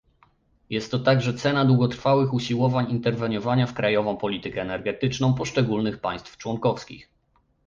Jest to także cena długotrwałych usiłowań interweniowania w krajową politykę energetyczną poszczególnych państw członkowskich